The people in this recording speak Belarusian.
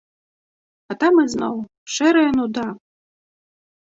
А там ізноў — шэрая нуда.